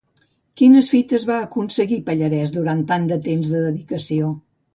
Quines fites va aconseguir Pallarès durant tant de temps de dedicació?